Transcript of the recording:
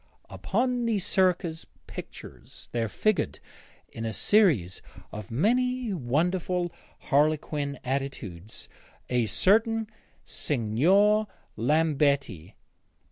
Upon these circus pictures there figured, in a series of many wonderful harlequin attitudes, a certain Signor Lambetti.